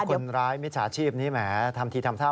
คนร้ายมิถราชีพนี้แหมทำทีทำท่า